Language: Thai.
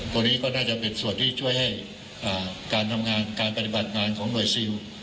ตัวนี้ก็น่าจะเป็นส่วนที่ช่วยให้การทำงานการปฏิบัติงานของหน่วยซิล